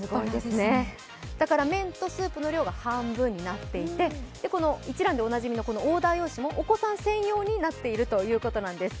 だから、麺とスープの量が半分になっていてこの一蘭でおなじみのオーダー用紙もお子さん専用になっているということなんです。